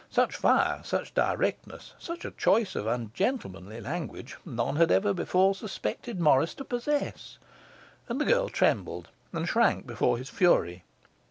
Such fire, such directness, such a choice of ungentlemanly language, none had ever before suspected Morris to possess; and the girl trembled and shrank before his fury.